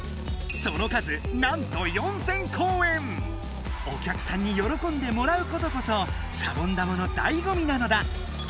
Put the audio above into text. その数なんとおきゃくさんによろこんでもらうことこそシャボン玉のだいごみなのだ。